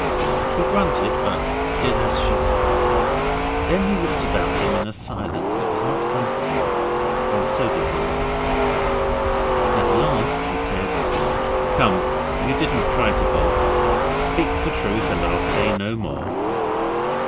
He grunted, but did as she said. Then he looked about him in a silence that was not comforting, and so did we. At last he said 'Come, you didn't try to bolt. Speak the truth, and I'll say no more.